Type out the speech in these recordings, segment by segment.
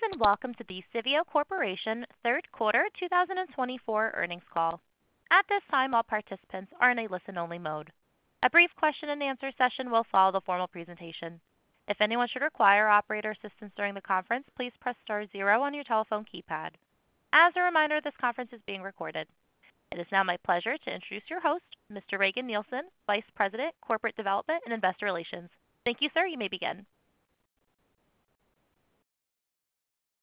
Greetings and welcome to the Civeo Corporation third quarter 2024 earnings call. At this time, all participants are in a listen-only mode. A brief question-and-answer session will follow the formal presentation. If anyone should require operator assistance during the conference, please press star zero on your telephone keypad. As a reminder, this conference is being recorded. It is now my pleasure to introduce your host, Mr. Regan Nielsen, Vice President, Corporate Development and Investor Relations. Thank you, sir. You may begin. Thank you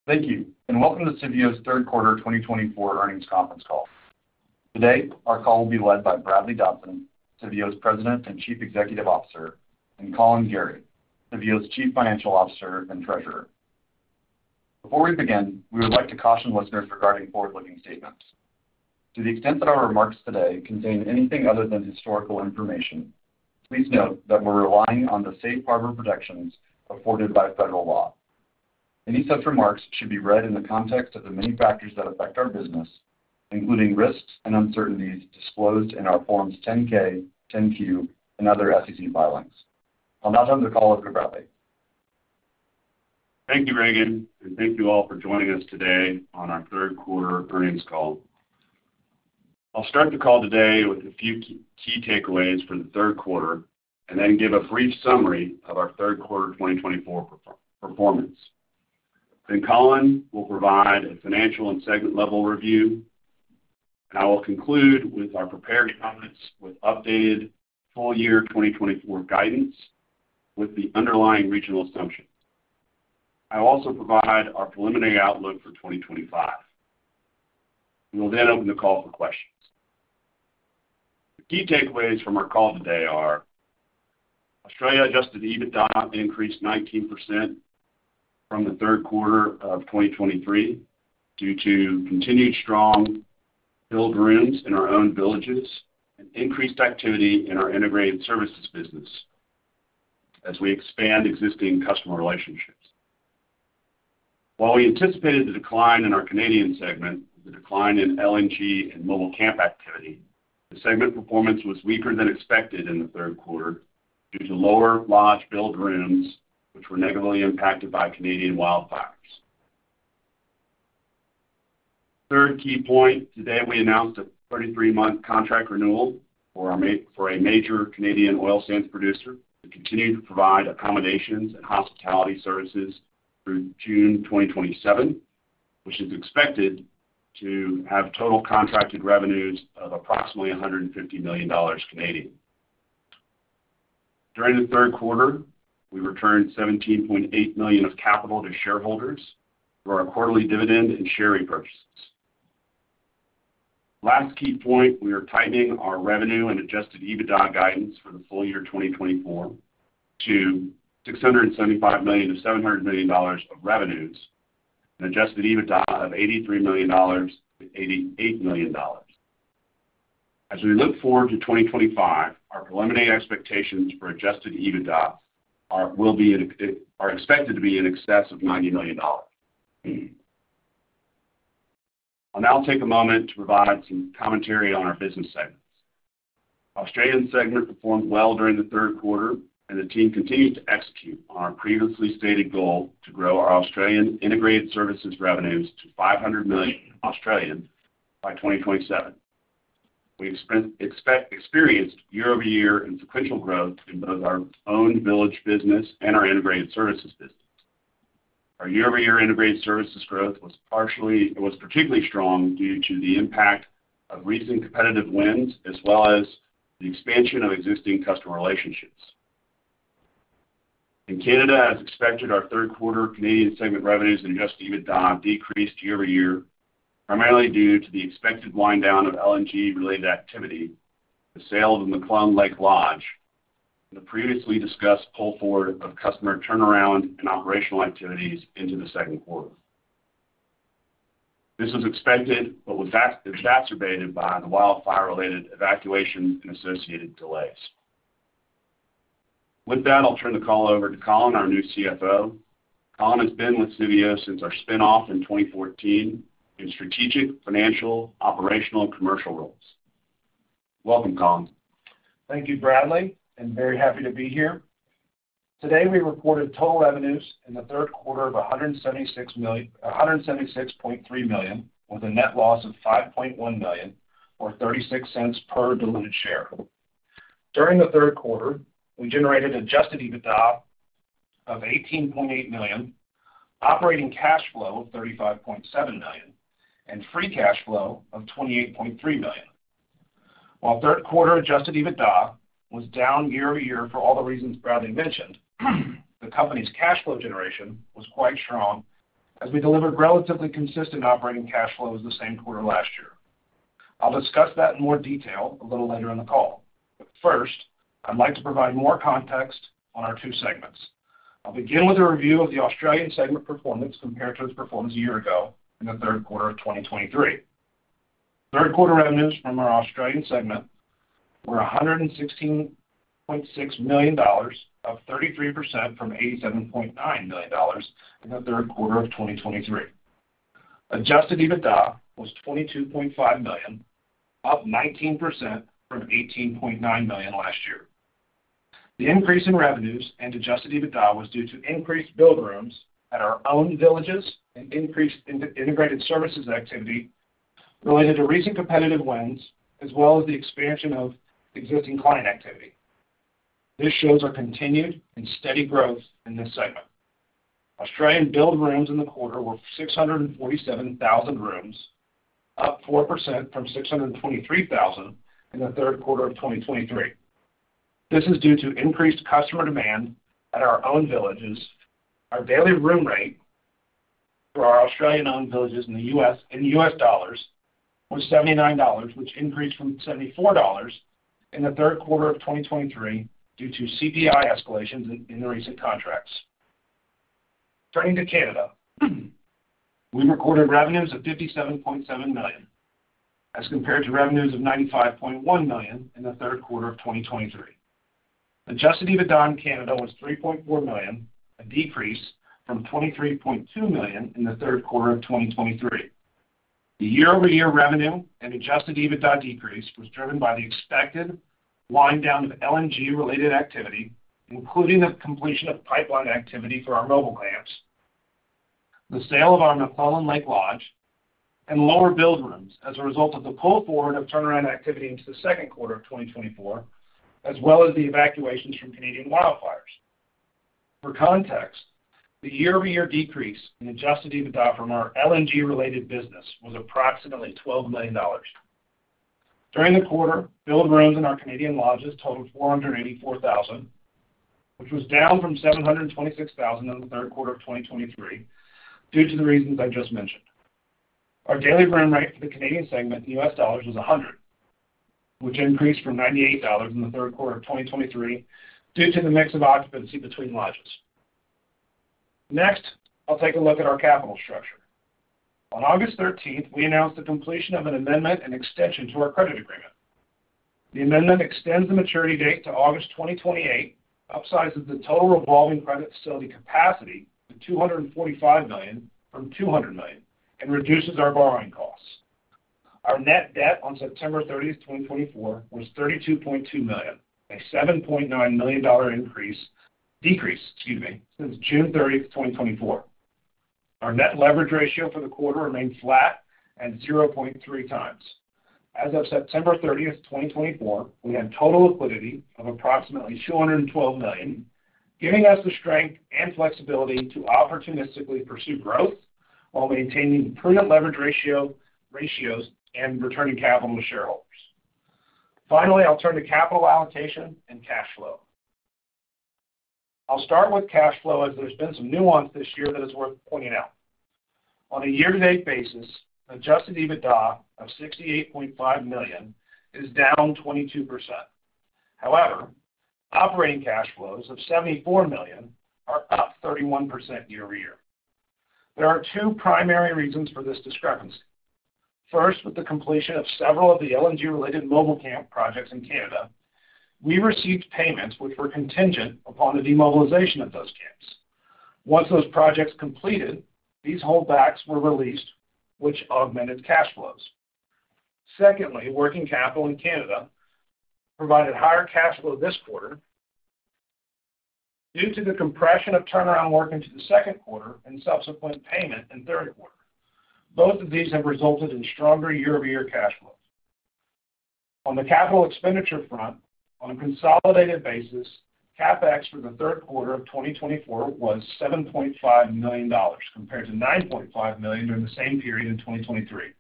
and welcome to Civeo's third quarter 2024 earnings conference call. Today, our call will be led by Bradley Dodson, Civeo's President and Chief Executive Officer, and Collin Gerry, Civeo's Chief Financial Officer and Treasurer. Before we begin, we would like to caution listeners regarding forward-looking statements. To the extent that our remarks today contain anything other than historical information, please note that we're relying on the safe harbor protections afforded by federal law. Any such remarks should be read in the context of the many factors that affect our business, including risks and uncertainties disclosed in our Forms 10-K, 10-Q, and other SEC filings. I'll now turn the call over to Bradley. Thank you, Regan, and thank you all for joining us today on our third quarter earnings call. I'll start the call today with a few key takeaways for the third quarter and then give a brief summary of our third quarter 2024 performance. Then Collin will provide a financial and segment-level review, and I will conclude with our prepared comments with updated full-year 2024 guidance with the underlying regional assumptions. I will also provide our preliminary outlook for 2025. We will then open the call for questions. The key takeaways from our call today are: Australia Adjusted EBITDA increased 19% from the third quarter of 2023 due to continued strong billed rooms in our own villages and increased activity in our integrated services business as we expand existing customer relationships. While we anticipated the decline in our Canadian segment, the decline in LNG and mobile camp activity, the segment performance was weaker than expected in the third quarter due to lower lodge billed rooms, which were negatively impacted by Canadian wildfires. Third key point: today, we announced a 33-month contract renewal for a major Canadian oil sands producer to continue to provide accommodations and hospitality services through June 2027, which is expected to have total contracted revenues of approximately CAD $150 million. During the third quarter, we returned $17.8 million of capital to shareholders for our quarterly dividend and share repurchases. Last key point: we are tightening our revenue and Adjusted EBITDA guidance for the full year 2024 to $675 million of revenues and Adjusted EBITDA of $83 million to $88 million. As we look forward to 2025, our preliminary expectations for Adjusted EBITDA will be expected to be in excess of $90 million. I'll now take a moment to provide some commentary on our business segments. Australian segment performed well during the third quarter, and the team continues to execute on our previously stated goal to grow our Australian integrated services revenues to 500 million by 2027. We experienced year-over-year and sequential growth in both our own village business and our integrated services business. Our year-over-year integrated services growth was particularly strong due to the impact of recent competitive wins as well as the expansion of existing customer relationships. In Canada, as expected, our third quarter Canadian segment revenues and adjusted EBITDA decreased year-over-year primarily due to the expected wind down of LNG-related activity, the sale of the McClelland Lake Lodge, and the previously discussed pull forward of customer turnaround and operational activities into the second quarter. This was expected but was exacerbated by the wildfire-related evacuations and associated delays. With that, I'll turn the call over to Collin, our new CFO. Collin has been with Civeo since our spinoff in 2014 in strategic, financial, operational, and commercial roles. Welcome, Collin. Thank you, Bradley, and very happy to be here. Today, we reported total revenues in the third quarter of $176.3 million with a net loss of $5.1 million, or $0.36 per diluted share. During the third quarter, we generated adjusted EBITDA of $18.8 million, operating cash flow of $35.7 million, and free cash flow of $28.3 million. While third quarter adjusted EBITDA was down year-over-year for all the reasons Bradley mentioned, the company's cash flow generation was quite strong as we delivered relatively consistent operating cash flow as in the same quarter last year. I'll discuss that in more detail a little later in the call. But first, I'd like to provide more context on our two segments. I'll begin with a review of the Australian segment performance compared to its performance a year ago in the third quarter of 2023. Third quarter revenues from our Australian segment were $116.6 million, up 33% from $87.9 million in the third quarter of 2023. Adjusted EBITDA was $22.5 million, up 19% from $18.9 million last year. The increase in revenues and adjusted EBITDA was due to increased billed rooms at our own villages and increased integrated services activity related to recent competitive wins as well as the expansion of existing client activity. This shows our continued and steady growth in this segment. Australian billed rooms in the quarter were 647,000 rooms, up 4% from 623,000 in the third quarter of 2023. This is due to increased customer demand at our own villages. Our daily room rate for our Australian-owned villages in the U.S. in U.S. dollars was $79, which increased from $74 in the third quarter of 2023 due to CPI escalations in recent contracts. Turning to Canada, we recorded revenues of $57.7 million as compared to revenues of $95.1 million in the third quarter of 2023. Adjusted EBITDA in Canada was $3.4 million, a decrease from $23.2 million in the third quarter of 2023. The year-over-year revenue and adjusted EBITDA decrease was driven by the expected wind down of LNG-related activity, including the completion of pipeline activity for our mobile camps, the sale of our McClelland Lake Lodge, and lower billed rooms as a result of the pull forward of turnaround activity into the second quarter of 2024, as well as the evacuations from Canadian wildfires. For context, the year-over-year decrease in adjusted EBITDA from our LNG-related business was approximately $12 million. During the quarter, billed rooms in our Canadian lodges totaled $484,000, which was down from $726,000 in the third quarter of 2023 due to the reasons I just mentioned. Our daily room rate for the Canadian segment in US dollars was $100, which increased from $98 in the third quarter of 2023 due to the mix of occupancy between lodges. Next, I'll take a look at our capital structure. On August 13th, we announced the completion of an amendment and extension to our credit agreement. The amendment extends the maturity date to August 2028, upsizes the total revolving credit facility capacity to $245 million from $200 million, and reduces our borrowing costs. Our net debt on September 30th, 2024, was $32.2 million, a $7.9 million increase since June 30th, 2024. Our net leverage ratio for the quarter remained flat at 0.3 times. As of September 30th, 2024, we had total liquidity of approximately $212 million, giving us the strength and flexibility to opportunistically pursue growth while maintaining prudent leverage ratios and returning capital to shareholders. Finally, I'll turn to capital allocation and cash flow. I'll start with cash flow as there's been some nuance this year that is worth pointing out. On a year-to-date basis, Adjusted EBITDA of $68.5 million is down 22%. However, operating cash flows of $74 million are up 31% year-over-year. There are two primary reasons for this discrepancy. First, with the completion of several of the LNG-related mobile camp projects in Canada, we received payments which were contingent upon the demobilization of those camps. Once those projects completed, these holdbacks were released, which augmented cash flows. Secondly, working capital in Canada provided higher cash flow this quarter due to the compression of turnaround work into the second quarter and subsequent payment in the third quarter. Both of these have resulted in stronger year-over-year cash flows. On the capital expenditure front, on a consolidated basis, CapEx for the third quarter of 2024 was $7.5 million compared to $9.5 million during the same period in 2023.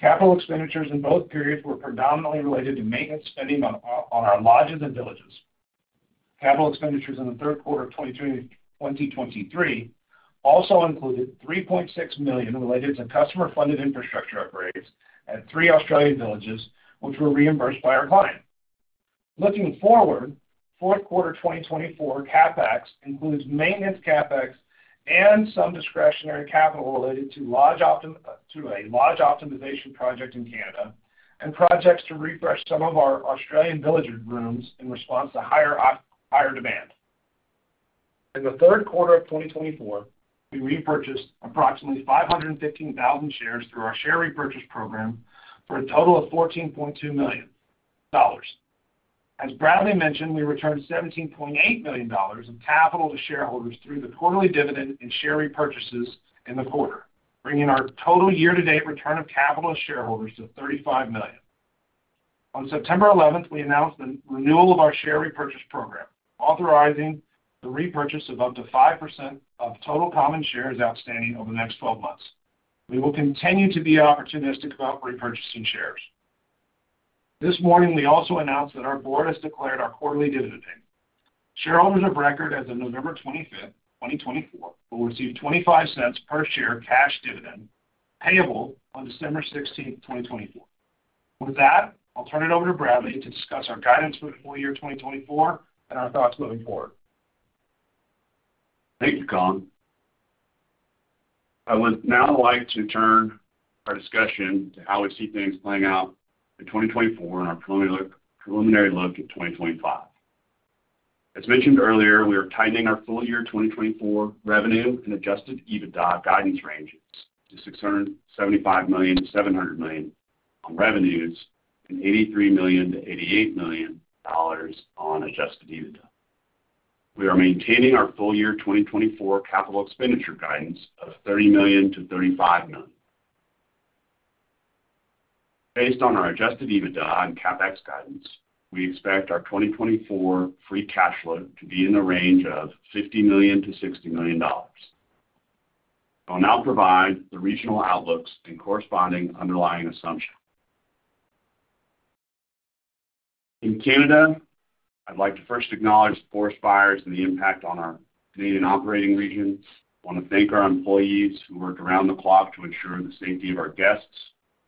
Capital expenditures in both periods were predominantly related to maintenance spending on our lodges and villages. Capital expenditures in the third quarter of 2023 also included $3.6 million related to customer-funded infrastructure upgrades at three Australian villages, which were reimbursed by our client. Looking forward, fourth quarter 2024 CapEx includes maintenance CapEx and some discretionary capital related to a lodge optimization project in Canada and projects to refresh some of our Australian village rooms in response to higher demand. In the third quarter of 2024, we repurchased approximately 515,000 shares through our share repurchase program for a total of $14.2 million. As Bradley mentioned, we returned $17.8 million of capital to shareholders through the quarterly dividend and share repurchases in the quarter, bringing our total year-to-date return of capital to shareholders to $35 million. On September 11th, we announced the renewal of our share repurchase program, authorizing the repurchase of up to 5% of total common shares outstanding over the next 12 months. We will continue to be opportunistic about repurchasing shares. This morning, we also announced that our board has declared our quarterly dividend payment. Shareholders of record as of November 25th, 2024, will receive $0.25 per share cash dividend payable on December 16th, 2024. With that, I'll turn it over to Bradley to discuss our guidance for the full year 2024 and our thoughts moving forward. Thank you, Collin. I would now like to turn our discussion to how we see things playing out in 2024 and our preliminary look at 2025. As mentioned earlier, we are tightening our full-year 2024 revenue and Adjusted EBITDA guidance ranges to $675 million-$700 million on revenues and $83 million-$88 million on Adjusted EBITDA. We are maintaining our full-year 2024 capital expenditure guidance of $30 million-$35 million. Based on our Adjusted EBITDA and CapEx guidance, we expect our 2024 free cash flow to be in the range of $50 million-$60 million. I'll now provide the regional outlooks and corresponding underlying assumptions. In Canada, I'd like to first acknowledge the forest fires and the impact on our Canadian operating regions. I want to thank our employees who worked around the clock to ensure the safety of our guests,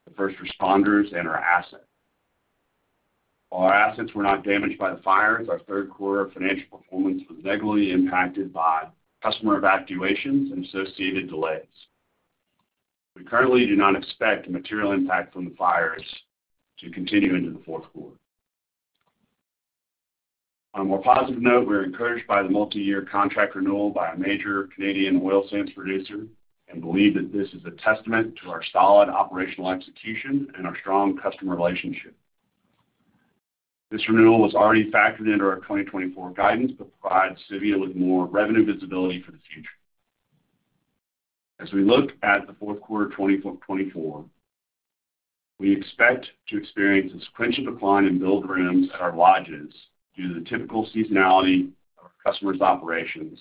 the first responders, and our assets. While our assets were not damaged by the fires, our third quarter financial performance was negatively impacted by customer evacuations and associated delays. We currently do not expect material impact from the fires to continue into the fourth quarter. On a more positive note, we're encouraged by the multi-year contract renewal by a major Canadian oil sands producer and believe that this is a testament to our solid operational execution and our strong customer relationship. This renewal was already factored into our 2024 guidance to provide Civeo with more revenue visibility for the future. As we look at the fourth quarter 2024, we expect to experience a sequential decline in billed rooms at our lodges due to the typical seasonality of our customers' operations,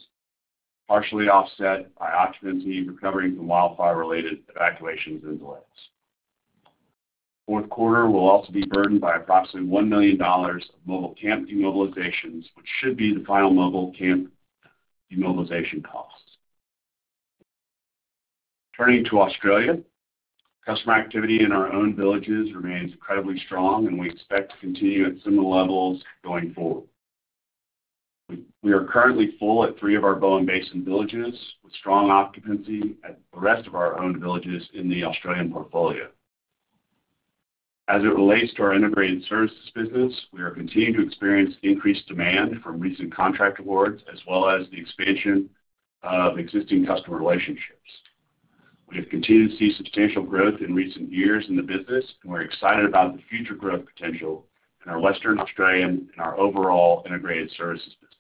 partially offset by occupancy recovering from wildfire-related evacuations and delays. The fourth quarter will also be burdened by approximately $1 million of mobile camp demobilizations, which should be the final mobile camp demobilization costs. Turning to Australia, customer activity in our own villages remains incredibly strong, and we expect to continue at similar levels going forward. We are currently full at three of our Bowen Basin villages with strong occupancy at the rest of our own villages in the Australian portfolio. As it relates to our integrated services business, we are continuing to experience increased demand from recent contract awards as well as the expansion of existing customer relationships. We have continued to see substantial growth in recent years in the business, and we're excited about the future growth potential in our Western Australia and our overall integrated services business.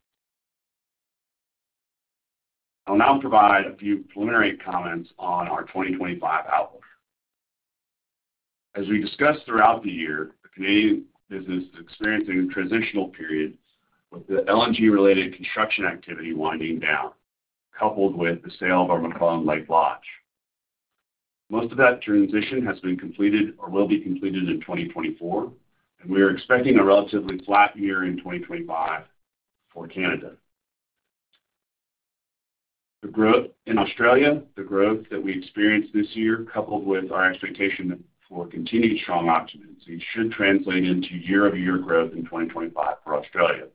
I'll now provide a few preliminary comments on our 2025 outlook. As we discussed throughout the year, the Canadian business is experiencing a transitional period with the LNG-related construction activity winding down, coupled with the sale of our McClelland Lake Lodge. Most of that transition has been completed or will be completed in 2024, and we are expecting a relatively flat year in 2025 for Canada. The growth in Australia, the growth that we experienced this year, coupled with our expectation for continued strong occupancy, should translate into year-over-year growth in 2025 for Australia.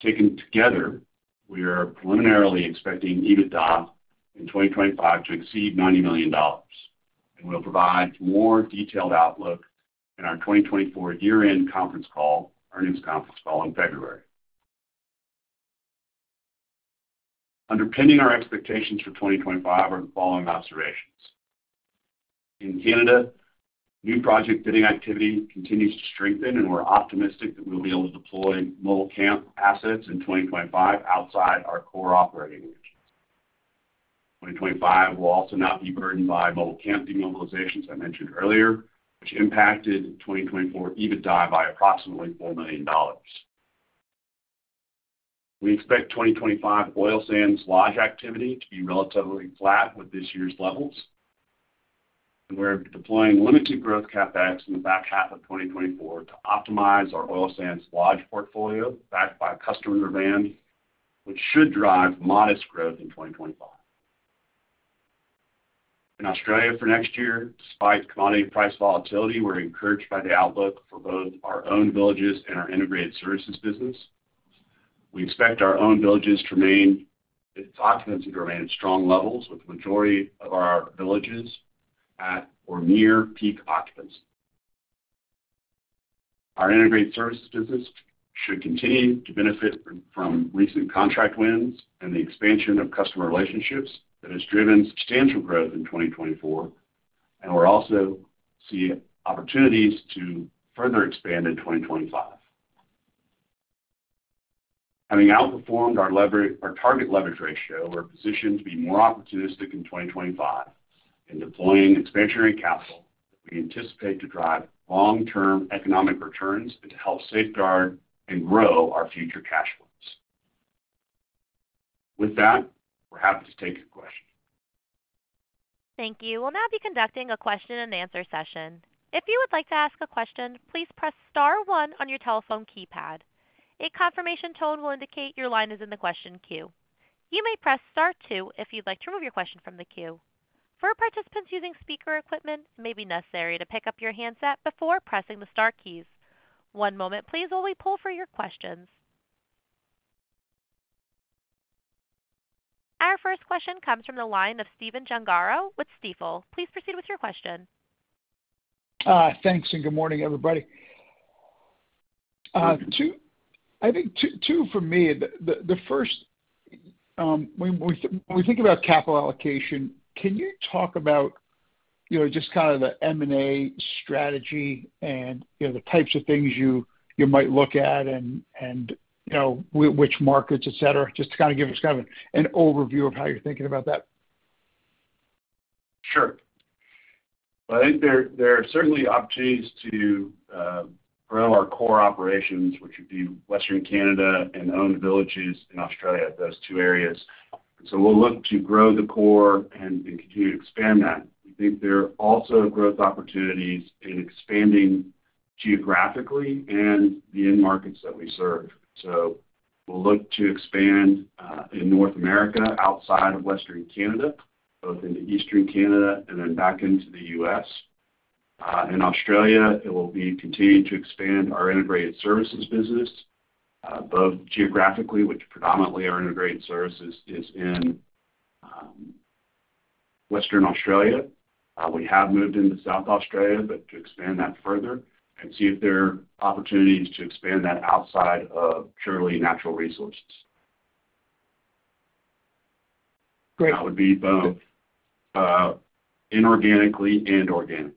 Taken together, we are preliminarily expecting EBITDA in 2025 to exceed $90 million, and we'll provide more detailed outlook in our 2024 year-end conference call, earnings conference call in February. Underpinning our expectations for 2025 are the following observations. In Canada, new project bidding activity continues to strengthen, and we're optimistic that we'll be able to deploy mobile camp assets in 2025 outside our core operating regions. 2025 will also not be burdened by mobile camp demobilizations I mentioned earlier, which impacted 2024 EBITDA by approximately $4 million. We expect 2025 oil sands lodge activity to be relatively flat with this year's levels, and we're deploying limited growth CapEx in the back half of 2024 to optimize our oil sands lodge portfolio backed by customer demand, which should drive modest growth in 2025. In Australia for next year, despite commodity price volatility, we're encouraged by the outlook for both our own villages and our integrated services business. We expect our own villages to remain, if occupancy to remain at strong levels, with the majority of our villages at or near peak occupancy. Our integrated services business should continue to benefit from recent contract wins and the expansion of customer relationships that has driven substantial growth in 2024, and we're also seeing opportunities to further expand in 2025. Having outperformed our target leverage ratio, we're positioned to be more opportunistic in 2025 in deploying expansionary capital that we anticipate to drive long-term economic returns and to help safeguard and grow our future cash flows. With that, we're happy to take your questions. Thank you. We'll now be conducting a question-and-answer session. If you would like to ask a question, please press Star 1 on your telephone keypad. A confirmation tone will indicate your line is in the question queue. You may press Star 2 if you'd like to remove your question from the queue. For participants using speaker equipment, it may be necessary to pick up your handset before pressing the Star keys. One moment, please, while we pull for your questions. Our first question comes from the line of Stephen Gengaro with Stifel. Please proceed with your question. Thanks, and good morning, everybody. I think two for me. The first, when we think about capital allocation, can you talk about just kind of the M&A strategy and the types of things you might look at and which markets, etc., just to kind of give us kind of an overview of how you're thinking about that? Sure. I think there are certainly opportunities to grow our core operations, which would be Western Canada and owned villages in Australia, those two areas. So we'll look to grow the core and continue to expand that. We think there are also growth opportunities in expanding geographically and the end markets that we serve. So we'll look to expand in North America outside of Western Canada, both into Eastern Canada and then back into the US. In Australia, it will be continuing to expand our integrated services business, both geographically, which predominantly our integrated services is in Western Australia. We have moved into South Australia, but to expand that further and see if there are opportunities to expand that outside of purely natural resources. Great. That would be both inorganically and organically.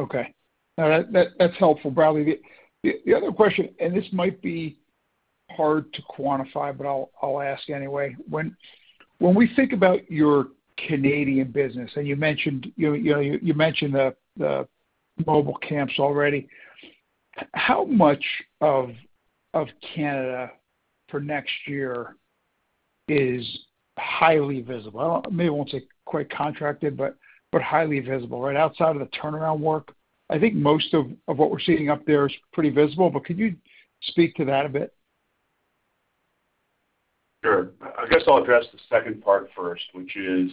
Okay. Now, that's helpful. Bradley, the other question, and this might be hard to quantify, but I'll ask anyway. When we think about your Canadian business, and you mentioned the mobile camps already, how much of Canada for next year is highly visible? Maybe I won't say quite contracted, but highly visible. Right outside of the turnaround work, I think most of what we're seeing up there is pretty visible, but could you speak to that a bit? Sure. I guess I'll address the second part first, which is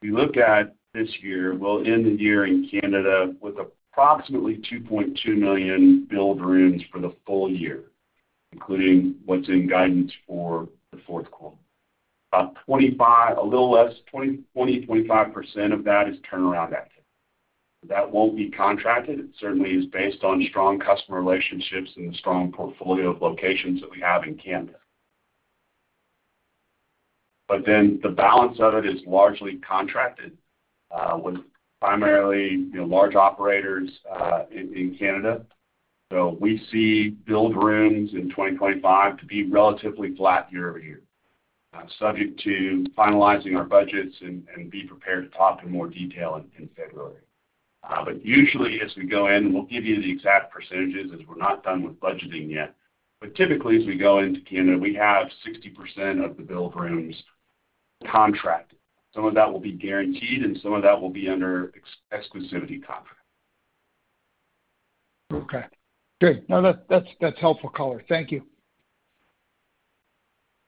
we look at this year, we'll end the year in Canada with approximately 2.2 million billed rooms for the full year, including what's in guidance for the fourth quarter. About 25, a little less, 20%-25% of that is turnaround activity. That won't be contracted. It certainly is based on strong customer relationships and the strong portfolio of locations that we have in Canada. But then the balance of it is largely contracted with primarily large operators in Canada. So we see billed rooms in 2025 to be relatively flat year over year, subject to finalizing our budgets and be prepared to talk in more detail in February. But usually, as we go in, we'll give you the exact percentages as we're not done with budgeting yet. But typically, as we go into Canada, we have 60% of the billed rooms contracted. Some of that will be guaranteed, and some of that will be under exclusivity contract. Okay. Good. No, that's helpful color. Thank you.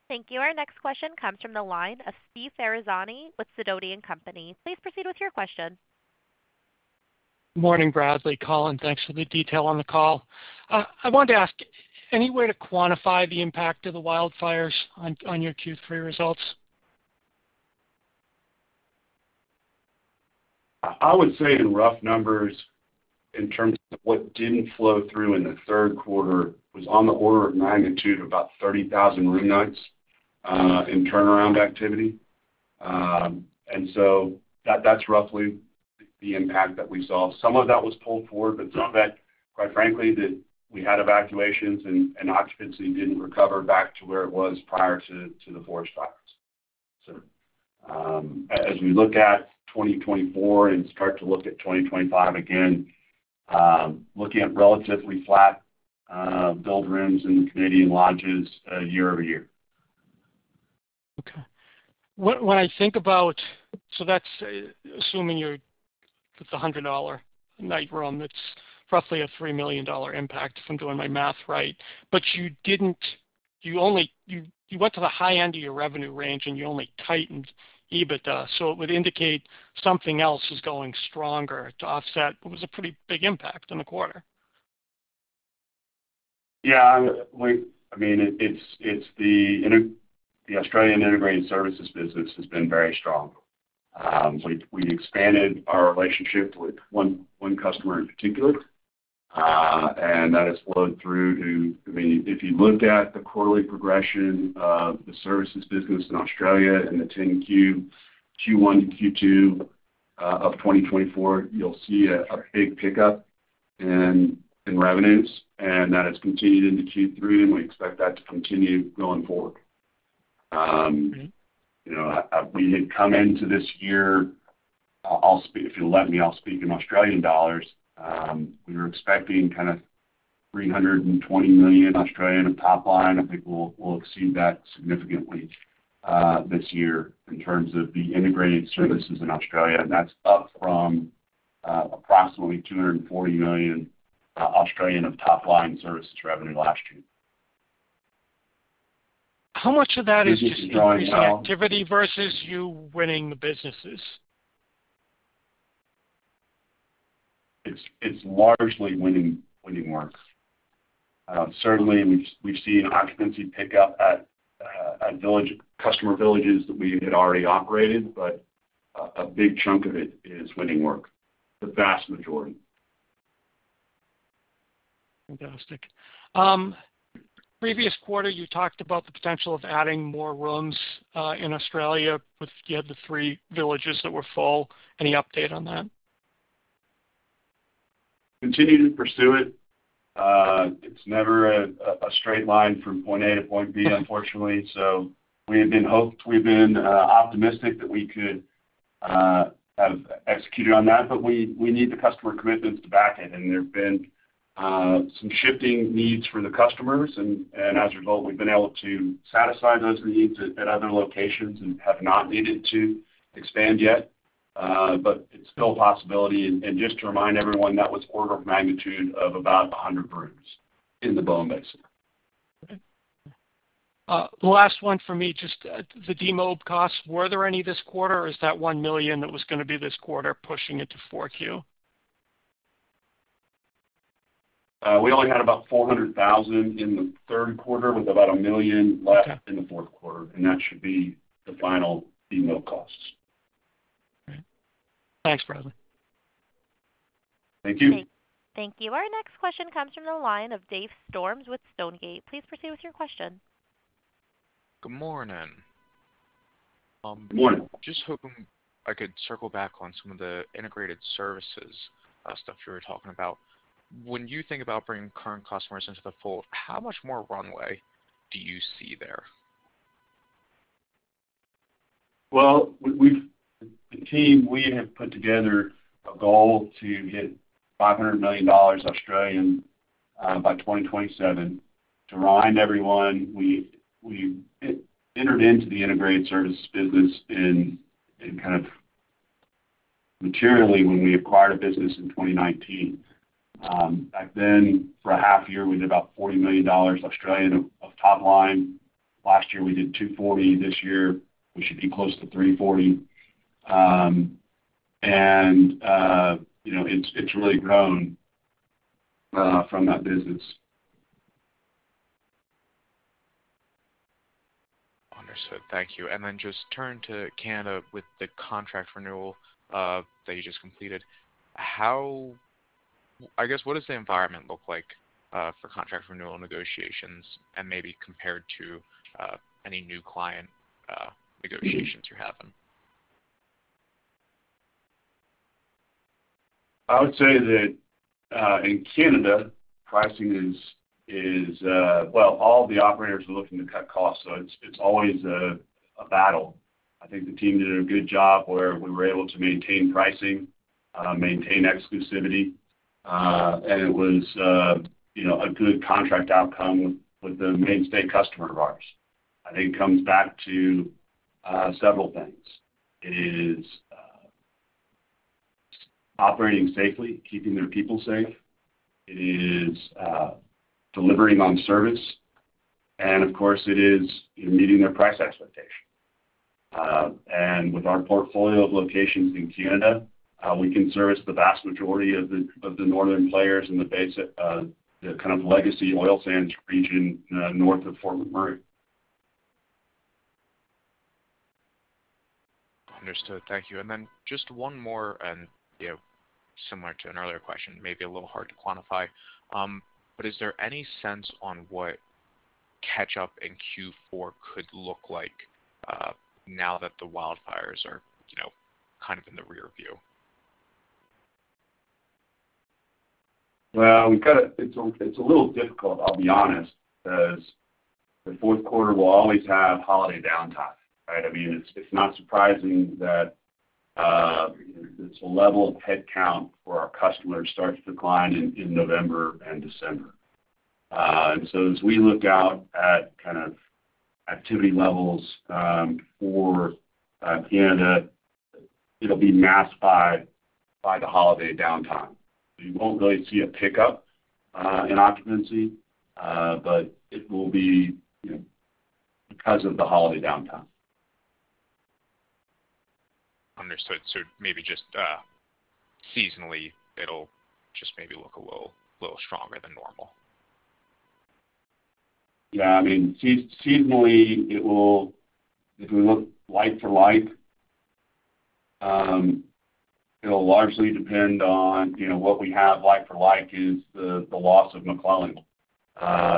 Thank you. Our next question comes from the line of Steve Ferazani with Sidoti & Company. Please proceed with your question. Good morning, Bradley. Collin, thanks for the detail on the call. I wanted to ask, any way to quantify the impact of the wildfires on your Q3 results? I would say in rough numbers, in terms of what didn't flow through in the third quarter, it was on the order of magnitude of about 30,000 room nights in turnaround activity, and so that's roughly the impact that we saw. Some of that was pulled forward, but some of that, quite frankly, that we had evacuations and occupancy didn't recover back to where it was prior to the forest fires, so as we look at 2024 and start to look at 2025 again, looking at relatively flat billed rooms in Canadian lodges year over year. Okay. When I think about, so that's assuming you're with the $100 night room, it's roughly a $3 million impact if I'm doing my math right. But you didn't, you went to the high end of your revenue range and you only tightened EBITDA. So it would indicate something else is going stronger to offset what was a pretty big impact in the quarter. Yeah. I mean, the Australian integrated services business has been very strong. We expanded our relationship with one customer in particular, and that has flowed through to, I mean, if you look at the quarterly progression of the services business in Australia and the 10Q Q1 to Q2 of 2024, you'll see a big pickup in revenues, and that has continued into Q3, and we expect that to continue going forward. We had come into this year, if you'll let me, I'll speak in Australian dollars. We were expecting kind of 320 million top line. I think we'll exceed that significantly this year in terms of the integrated services in Australia. And that's up from approximately 240 million top line services revenue last year. How much of that is just incoming activity versus you winning the businesses? It's largely winning work. Certainly, we've seen occupancy pick up at customer villages that we had already operated, but a big chunk of it is winning work, the vast majority. Fantastic. Previous quarter, you talked about the potential of adding more rooms in Australia where you had the three villages that were full. Any update on that? Continue to pursue it. It's never a straight line from point A to point B, unfortunately. So we've been optimistic that we could have executed on that, but we need the customer commitments to back it. And there have been some shifting needs for the customers, and as a result, we've been able to satisfy those needs at other locations and have not needed to expand yet. But it's still a possibility. And just to remind everyone, that was order of magnitude of about 100 rooms in the Bowen Basin. Okay. Last one for me, just the demo costs. Were there any this quarter, or is that $1 million that was going to be this quarter pushing it to 4Q? We only had about $400,000 in the third quarter with about $1 million left in the fourth quarter, and that should be the final demo costs. Okay. Thanks, Bradley. Thank you. Thank you. Our next question comes from the line of Dave Storms with Stonegate. Please proceed with your question. Good morning. Good morning. Just hoping I could circle back on some of the integrated services stuff you were talking about. When you think about bringing current customers into the fold, how much more runway do you see there? The team we have put together a goal to get 500 million Australian dollars by 2027. To remind everyone, we entered into the integrated services business in kind of materially when we acquired a business in 2019. Back then, for a half year, we did about 40 million dollars of top line. Last year, we did 240. This year, we should be close to 340. It's really grown from that business. Understood. Thank you. And then just turn to Canada with the contract renewal that you just completed. I guess, what does the environment look like for contract renewal negotiations and maybe compared to any new client negotiations you're having? I would say that in Canada, pricing is, well, all the operators are looking to cut costs. So it's always a battle. I think the team did a good job where we were able to maintain pricing, maintain exclusivity, and it was a good contract outcome with the mainstay customer of ours. I think it comes back to several things. It is operating safely, keeping their people safe. It is delivering on service. And of course, it is meeting their price expectation. And with our portfolio of locations in Canada, we can service the vast majority of the northern players in the kind of legacy oil sands region north of Fort McMurray. Understood. Thank you. And then just one more and similar to an earlier question, maybe a little hard to quantify, but is there any sense on what catch-up in Q4 could look like now that the wildfires are kind of in the rearview? It's a little difficult, I'll be honest, because the fourth quarter will always have holiday downtime. Right? I mean, it's not surprising that the level of headcount for our customers starts to decline in November and December, so as we look out at kind of activity levels for Canada, it'll be masked by the holiday downtime. You won't really see a pickup in occupancy, but it will be because of the holiday downtime. Understood. So maybe just seasonally, it'll just maybe look a little stronger than normal. Yeah. I mean, seasonally, if we look like-for-like, it'll largely depend on what we have like-for-like, is the loss of McClelland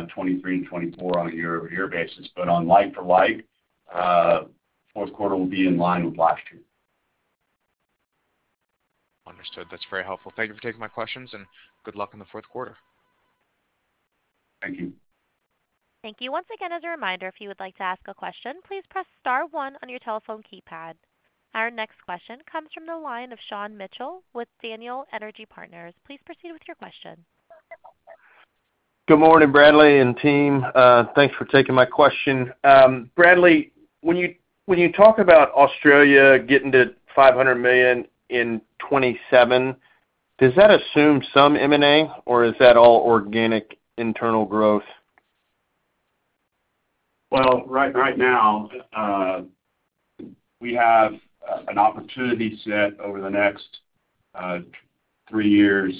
23 and 24 on a year-over-year basis. But on like-for-like, fourth quarter will be in line with last year. Understood. That's very helpful. Thank you for taking my questions, and good luck in the fourth quarter. Thank you. Thank you. Once again, as a reminder, if you would like to ask a question, please press star one on your telephone keypad. Our next question comes from the line of Sean Mitchell with Daniel Energy Partners. Please proceed with your question. Good morning, Bradley and team. Thanks for taking my question. Bradley, when you talk about Australia getting to 500 million in 2027, does that assume some M&A, or is that all organic internal growth? Right now, we have an opportunity set over the next three years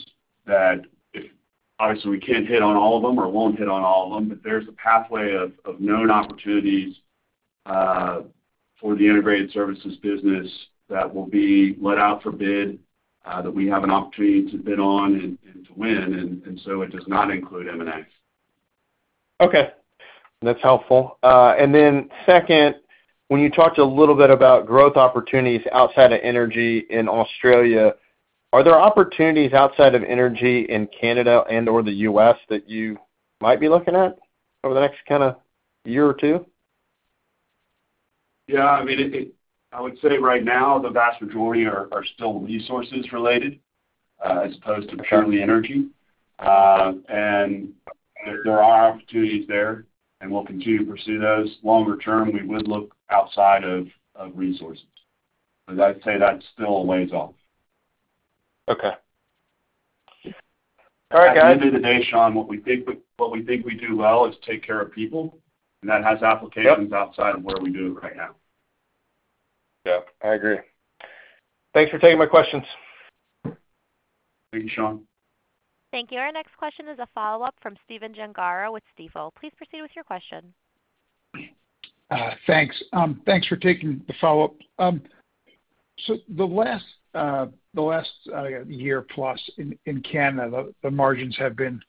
that, obviously, we can't hit on all of them or won't hit on all of them, but there's a pathway of known opportunities for the integrated services business that will be let out for bid that we have an opportunity to bid on and to win, and so it does not include M&A. Okay. That's helpful. And then second, when you talked a little bit about growth opportunities outside of energy in Australia, are there opportunities outside of energy in Canada and/or the U.S. that you might be looking at over the next kind of year or two? Yeah. I mean, I would say right now, the vast majority are still resources related as opposed to purely energy. And there are opportunities there, and we'll continue to pursue those. Longer term, we would look outside of resources. But I'd say that's still a ways off. Okay. All right, guys. At the end of the day, Sean, what we think we do well is take care of people, and that has applications outside of where we do it right now. Yeah. I agree. Thanks for taking my questions. Thank you, Sean. Thank you. Our next question is a follow-up from Stephen Gengaro with Stifel. Please proceed with your question. Thanks. Thanks for taking the follow-up. So the last year plus in Canada, the margins have been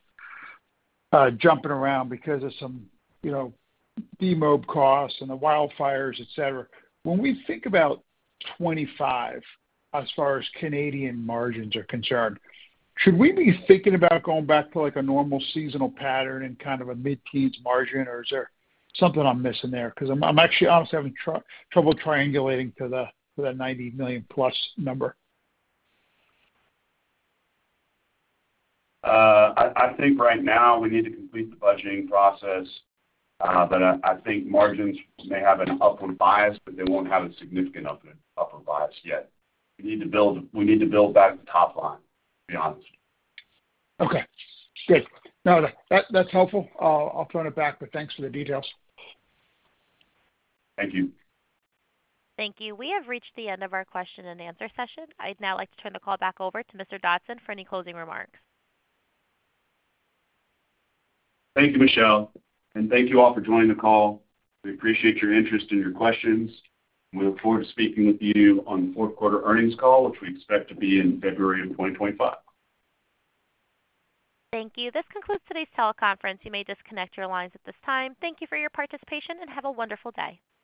jumping around because of some demo costs and the wildfires, etc. When we think about 2025, as far as Canadian margins are concerned, should we be thinking about going back to a normal seasonal pattern and kind of a mid-teens margin, or is there something I'm missing there? Because I'm actually honestly having trouble triangulating to that $90 million-plus number. I think right now, we need to complete the budgeting process, but I think margins may have an upward bias, but they won't have a significant upward bias yet. We need to build back the top line, to be honest. Okay. Good. No, that's helpful. I'll turn it back, but thanks for the details. Thank you. Thank you. We have reached the end of our question and answer session. I'd now like to turn the call back over to Mr. Dodson for any closing remarks. Thank you, Michelle, and thank you all for joining the call. We appreciate your interest and your questions. We look forward to speaking with you on the fourth quarter earnings call, which we expect to be in February of 2025. Thank you. This concludes today's teleconference. You may disconnect your lines at this time. Thank you for your participation and have a wonderful day.